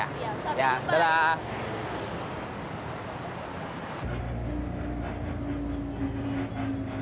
iya sampai jumpa